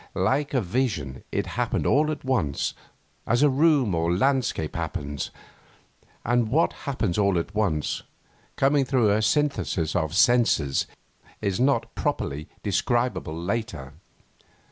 Like a vision it happened all at once, as a room or landscape happens, and what happens all at once, coming through a synthesis of the senses, is not properly describable later.